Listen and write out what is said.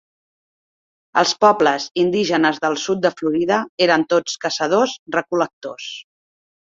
Els pobles indígenes del sud de Florida eren tots caçadors-recol·lectors.